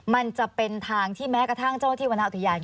มันจะเป็นทางที่แม้กระทั่งเจ้าที่วรรณอุทยาน